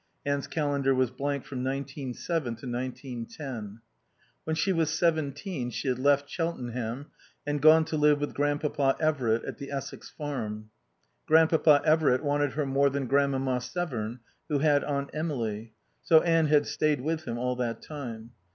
Anne's calendar was blank from nineteen seven to nineteen ten. When she was seventeen she had left Cheltenham and gone to live with Grandpapa Everitt at the Essex farm. Grandpapa Everitt wanted her more than Grandmamma Severn, who had Aunt Emily; so Anne had stayed with him all that time.